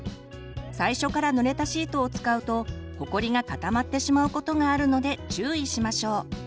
最初からぬれたシートを使うとほこりが固まってしまうことがあるので注意しましょう。